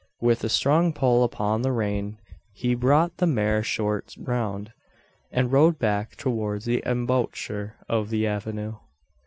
With a strong pull upon the rein, he brought the mare short round, and rode back towards the embouchure of the avenue.